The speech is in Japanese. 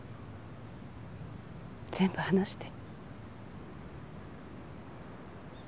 全部話して。